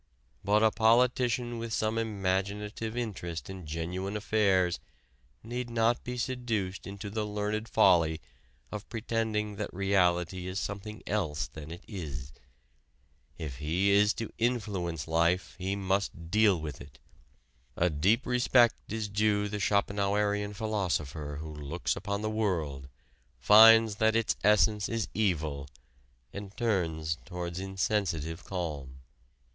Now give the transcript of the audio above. But a politician with some imaginative interest in genuine affairs need not be seduced into the learned folly of pretending that reality is something else than it is. If he is to influence life he must deal with it. A deep respect is due the Schopenhauerian philosopher who looks upon the world, finds that its essence is evil, and turns towards insensitive calm.